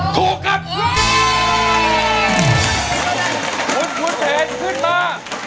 คุณแผนขึ้นมารองได้ให้ร้านนะครับวันนี้